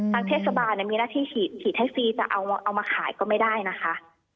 ทางเทศบาลมีหน้าที่ฉีดให้ฟรีจะเอาเอามาขายก็ไม่ได้นะคะ